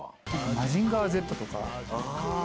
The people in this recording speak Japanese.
マジンガーＺとか。